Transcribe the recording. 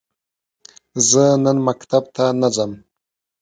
زه نن مکتب ته نه ځم.